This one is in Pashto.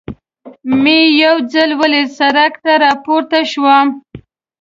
مې یو څلی ولید، سړک ته را پورته شوم.